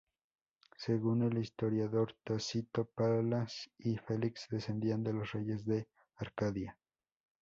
Según el historiador Tácito, Palas y Felix descendían de los reyes de Arcadia.